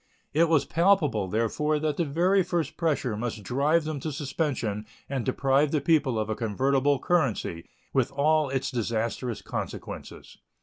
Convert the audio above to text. It was palpable, therefore, that the very first pressure must drive them to suspension and deprive the people of a convertible currency, with all its disastrous consequences.